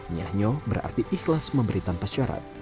nyahnyo berarti ikhlas memberi tanpa syarat